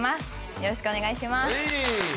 よろしくお願いします